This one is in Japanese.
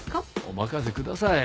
お任せください。